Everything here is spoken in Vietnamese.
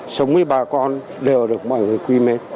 sống với ba con đều được mọi người quy mế